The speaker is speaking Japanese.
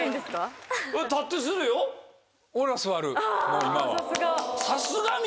もう今は。